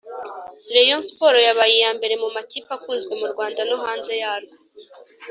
Rayon sport yabaye iya mbere mu makipe akunzwe mu Rwanda no hanze yarwo